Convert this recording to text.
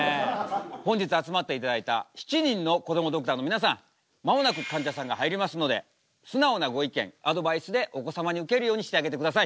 本日集まっていただいた７人のこどもドクターの皆さん間もなくかんじゃさんが入りますので素直なご意見アドバイスでお子様にウケるようにしてあげてください。